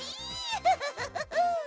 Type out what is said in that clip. フフフフフ。